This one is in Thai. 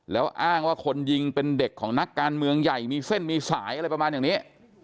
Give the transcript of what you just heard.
แล้วอ้างว่าคนยิงเป็นเด็กของนักการเมืองใหญ่มีเส้นมีสายอะไรประมาณอย่างนี้